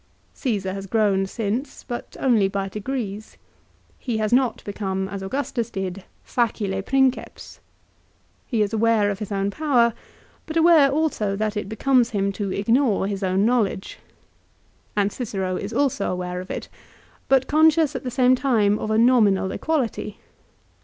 Csesar has grown since, but only by degrees. He has not become, as Augustus did, " facile princeps." He is aware of his own power, but aware also that it becomes him to ignore his own knowledge. And Cicero is also aware of it, but conscious at the same time of a nominal equality.